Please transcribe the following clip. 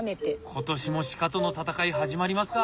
今年も鹿との戦い始まりますか！